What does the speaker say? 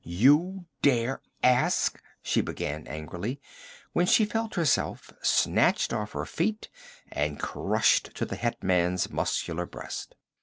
'You dare ask ' she began angrily, when she felt herself snatched off her feet and crushed to the hetman's muscular breast.